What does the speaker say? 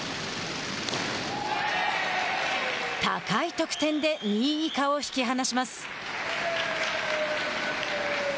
高い得点で、２位以下を引き離します。